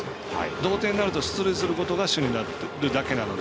同点になると出塁することが主になるだけなので。